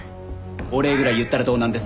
お礼ぐらい言ったらどうなんです？